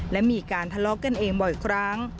และมีการทะเลาะกันเองบ่อยครั้ง